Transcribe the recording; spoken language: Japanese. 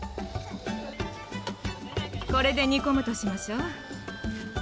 これで煮込むとしましょ。